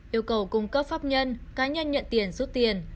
yêu cầu cung cấp pháp nhân cá nhân nhận tiền rút tiền